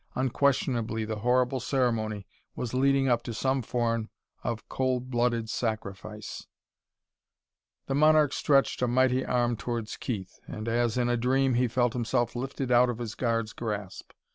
Unquestionably the horrible ceremony was leading up to some form of cold blooded sacrifice.... The monarch stretched a mighty arm towards Keith, and, as in a dream, he felt himself lifted out of his guard's grasp.